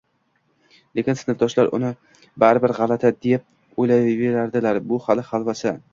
lekin sinfdoshlar uni baribir g‘alati, deb o‘ylayveradilar. Bu xali holvasi.